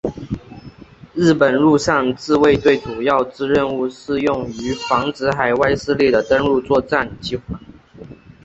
日本陆上自卫队主要之任务是用于防止海外势力的登陆作战计划。